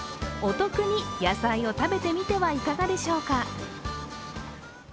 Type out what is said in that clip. お得に野菜を食べてみてはいかがでしょうか。